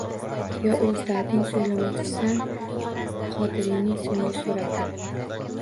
Yo oʻz darding soʻylamoqchisan, Qodiriyning soʻnggi surati?